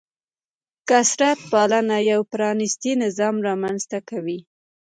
کثرت پالنه یو پرانیستی نظام رامنځته کوي.